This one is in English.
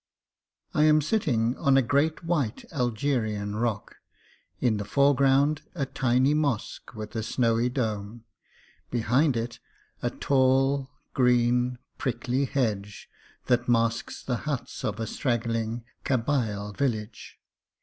I AM sitting on a great white Algerian rock ; in the foreground a tiny mosque with a snowy dome ; behind it a tall, green, prickly hedge that masks the huts of a straggling Kabyle village.